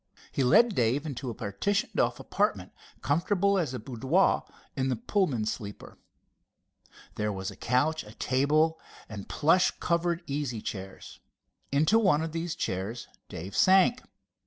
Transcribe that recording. He led Dave into a partitioned off apartment, comfortable as a boudoir in the Pullman sleeper. There was a couch, a table and plush covered easy chairs. Into one of the chairs Dave sank.